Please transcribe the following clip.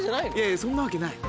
いやそんなわけない。